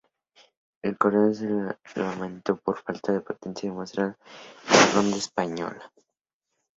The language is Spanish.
El corredor se lamentó por la falta de potencia mostrada en la ronda española.